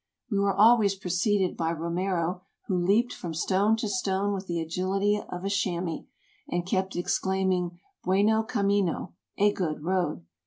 We were always preceded by Romero, who leaped from stone to stone with the agility of a chamois, and kept ex claiming Bitcno camino (a good road).